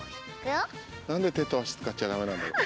何で手と足使っちゃダメなんだろう。